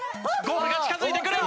ゴールが近づいてくる！